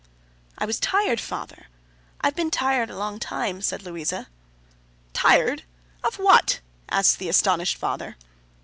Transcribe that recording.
'I was tired, father. I have been tired a long time,' said Louisa. 'Tired? Of what?' asked the astonished father.